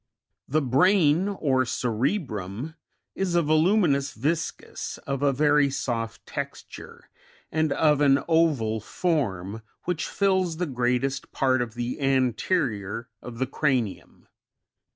1 3. The brain, or cerebrum {Fig. 25, c.) is a voluminous viscus, of a very soft texture, and of an oval form, which fills the greatest part of the anterior of the cranium.